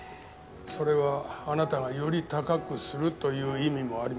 それはあなたがより高くするという意味もありますか？